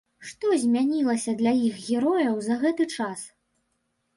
Што змянілася для іх герояў за гэты час?